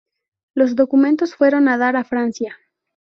Los documentos fueron a dar a Francia.